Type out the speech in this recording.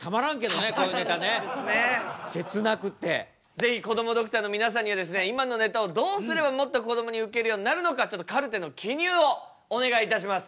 是非こどもドクターの皆さんには今のネタをどうすればもっとこどもにウケるようになるのかカルテの記入をお願いいたします。